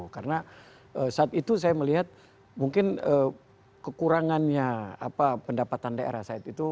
karena saat itu saya melihat mungkin kekurangannya pendapatan daerah saat itu